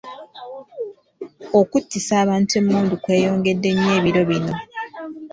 Okuttisa abantu emmundu kweyongedde nnyo ebiro bino.